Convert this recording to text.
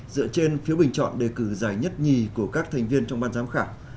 dựa trên phiếu bình chọn đề cử giải nhất nhì của các thành viên trong ban giám khảo